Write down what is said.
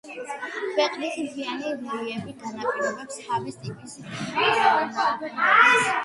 ქვეყნის მთიანი რელიეფი განაპირობებს ჰავის ტიპების მრავალფეროვნებას.